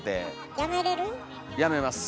やめます。